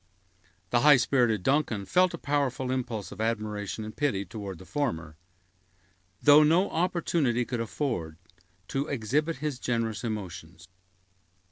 The high spirited Duncan felt a powerful impulse of admiration and pity toward the former, though no opportunity could offer to exhibit his generous emotions.